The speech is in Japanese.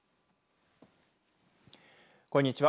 こんにちは。